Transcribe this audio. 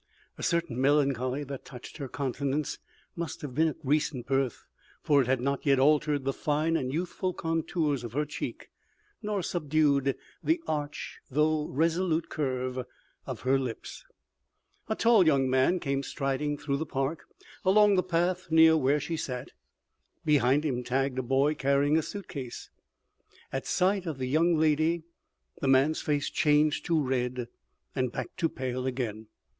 A certain melancholy that touched her countenance must have been of recent birth, for it had not yet altered the fine and youthful contours of her cheek, nor subdued the arch though resolute curve of her lips. A tall young man came striding through the park along the path near which she sat. Behind him tagged a boy carrying a suit case. At sight of the young lady, the man's face changed to red and back to pale again.